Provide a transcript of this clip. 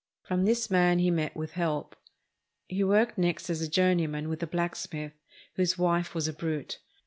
From this man he met with help. He worked next as a journeyman with a blacksmith, whose wife was a brute.